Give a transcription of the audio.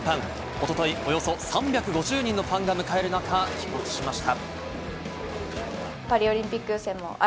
おととい、およそ３５０人のファンが迎える中、帰国しました。